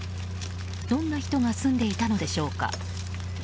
どんな人が住んでいたのでしょうか。